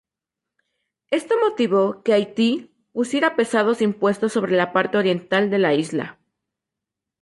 Esto motivó que Haití impusiera pesados impuestos sobre la parte oriental de la isla.